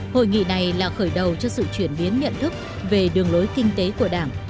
hội nghị này là khởi đầu cho sự chuyển biến nhận thức về đường lối kinh tế của đảng